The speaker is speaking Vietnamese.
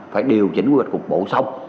phải điều chỉnh quyền cục bộ xong